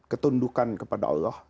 ketundukan kepada allah